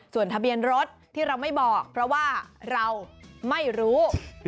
ส่วนทะเบียนรถที่เราไม่บอกเพราะว่าเราไม่รู้